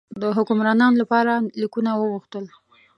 د حکمرانانو لپاره لیکونه وغوښتل.